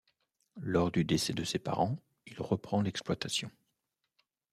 Lors du décès de ses parents, il reprend l'exploitation.